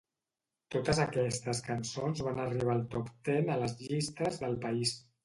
Totes aquestes cançons van arribar al Top Ten a les llistes del país